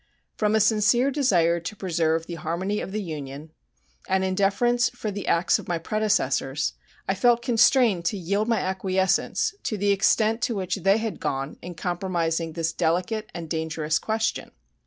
From a sincere desire to preserve the harmony of the Union, and in deference for the acts of my predecessors, I felt constrained to yield my acquiescence to the extent to which they had gone in compromising this delicate and dangerous question.